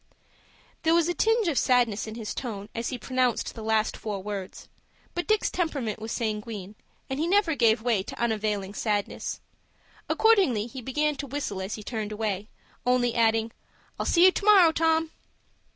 There was a tinge of sadness in his tone, as he pronounced the last four words; but Dick's temperament was sanguine, and he never gave way to unavailing sadness. Accordingly he began to whistle as he turned away, only adding, "I'll see you to morrow, Tom."